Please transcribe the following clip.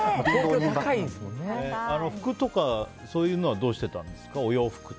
服とかそういうのはどうしてたんですか。